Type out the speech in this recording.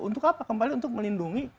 untuk apa kembali untuk melindungi